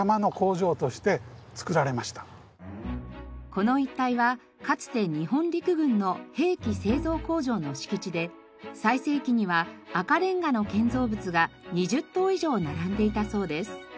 この一帯はかつて日本陸軍の兵器製造工場の敷地で最盛期には赤レンガの建造物が２０棟以上並んでいたそうです。